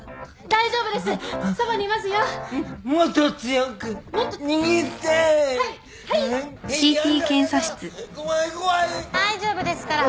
大丈夫ですから。